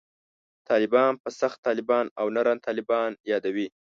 طالبان په «سخت طالبان» او «نرم طالبان» یادوي.